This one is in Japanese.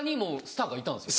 スターがいた。